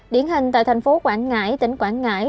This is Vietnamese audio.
điển hình tại thành phố quảng ngãi tỉnh quảng ngãi